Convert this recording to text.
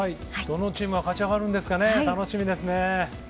どのチームが勝ち上がるのか、楽しみですね。